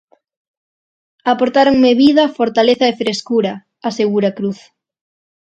Aportáronme vida, fortaleza e frescura, asegura Cruz.